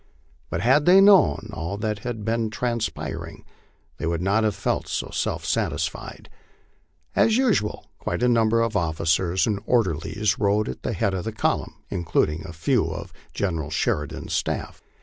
But had they known all that had been trans piring they would not have felt so self satisfied. As usual, quite a number of officers and orderlies rode at the head of the column, including a few of Gen eral Sheridan's staff.